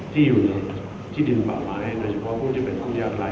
ที่อยู่ในที่ดินป่าไม้โดยเฉพาะผู้ที่เป็นผู้ยากร้าย